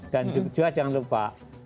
dan juga jangan lupa